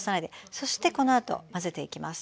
そしてこのあと混ぜていきます。